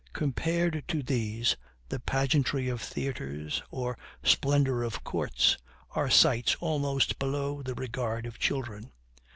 Compared to these the pageantry of theaters, or splendor of courts, are sights almost below the regard of children.